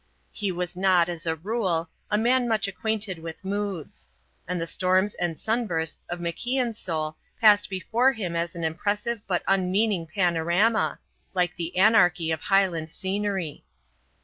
He was not, as a rule, a man much acquainted with moods; and the storms and sunbursts of MacIan's soul passed before him as an impressive but unmeaning panorama, like the anarchy of Highland scenery.